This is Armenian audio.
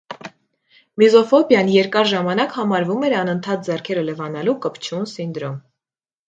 Միզոֆոբիան երկար ժամանակ համարվում էր անընդհատ ձեռքերը լվանակու կպչուն սինդրոմ։